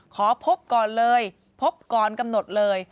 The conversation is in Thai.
ขอพบก่อนเลยพบก่อนกำหนดเลย